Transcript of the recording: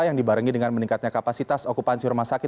yang dibarengi dengan meningkatnya kapasitas okupansi rumah sakit